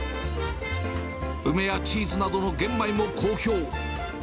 梅やチーズなどの玄米も好評。